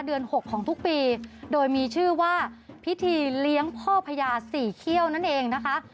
หกของทุกปีโดยมีชื่อว่าพิธีเลี้ยงพ่อพญาสี่เขี้ยวนั่นเองนะคะ